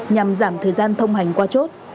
nhằm giảm thời gian thông hành qua chốt